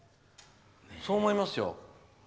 そう思いますよ。